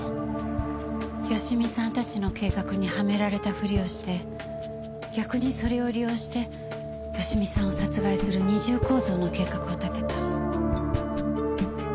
芳美さんたちの計画にはめられたふりをして逆にそれを利用して芳美さんを殺害する二重構造の計画を立てた。